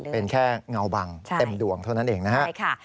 เป็นแค่เงาบังเต็มดวงเท่านั้นเองนะครับ